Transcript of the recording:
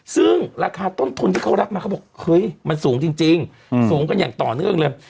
ซึ่งราคาต้นทุนที่เขารับมาเขาบอกเฮ้ยมันสูงจริงสูงกันอย่างต่อเนื่องเลย